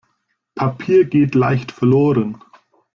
Papier geht leicht verloren.